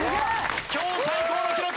今日最高の記録！